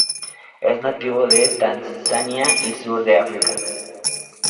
Es nativo de Tanzania y sur de África.